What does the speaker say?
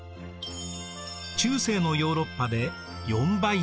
中世のヨーロッパで４倍程度。